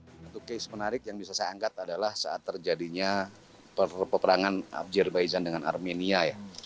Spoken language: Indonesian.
satu case menarik yang bisa saya anggat adalah saat terjadinya perpeperangan abjirbaizan dengan armenia